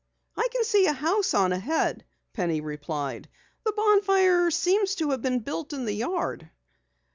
"I can see a house on ahead," Penny replied. "The bonfire seems to have been built in the yard."